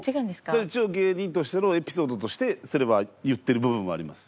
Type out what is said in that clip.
それ一応芸人としてのエピソードとしてそれは言ってる部分もあります。